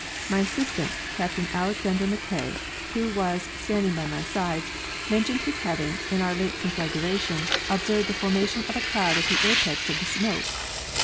My assistant, Captain Alexander Mackay, who was standing by my side, mentioned his having, in our late con flagration, observed the formation ofa cloud at the apex of the smoke.